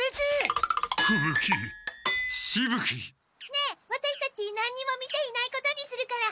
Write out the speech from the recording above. ねえワタシたち何にも見ていないことにするから。